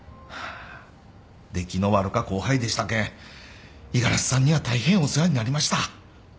出来の悪か後輩でしたけん五十嵐さんには大変お世話になりました。